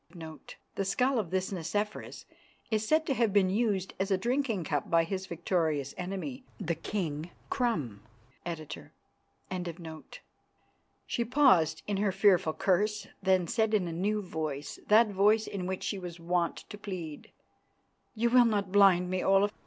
[*][*] The skull of this Nicephorus is said to have been used as a drinking cup by his victorious enemy, the King Krum. Editor. She paused in her fearful curse, then said in a new voice, that voice in which she was wont to plead, "You will not blind me, Olaf.